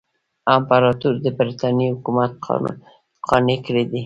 امپراطور د برټانیې حکومت قانع کړی دی.